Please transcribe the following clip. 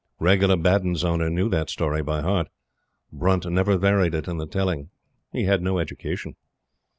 Regula Baddun's owner knew that story by heart. Brunt never varied it in the telling. He had no education.